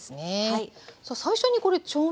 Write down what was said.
はい。